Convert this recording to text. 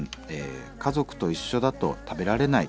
「家族と一緒だと食べられない。